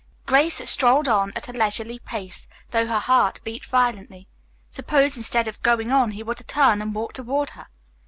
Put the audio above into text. Grace strolled on at a leisurely pace, though her heart beat violently. Suppose instead of going on he were to turn and walk toward her.